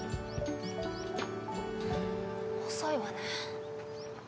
遅いわね。